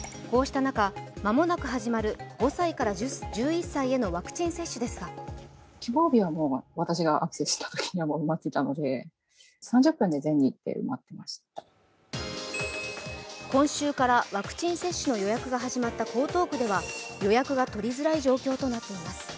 こうした中、間もなく始まる５歳から１１歳へのワクチン接種ですが今週からワクチン接種の予約が始まった江東区では予約が取りづらい状況となっています。